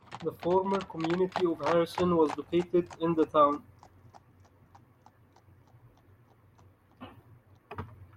The former community of Harrison was located in the town.